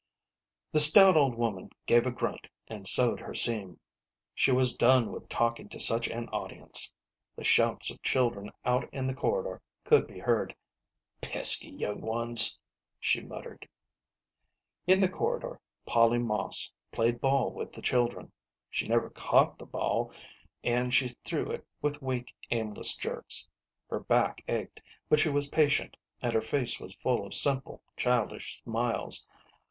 The stout old woman gave a grunt and sewed her seam ; she was done with talking to such an audience. The shouts of children out in the corridor could be heard. "Pesky young ones !" she muttered. 86 SISTER LIB BY. In the corridor Polly Moss played ball with the children. She never caught the ball, and she threw it with weak, aimless jerks; her back ached, but she was patient, and her face was full of simple childish smiles.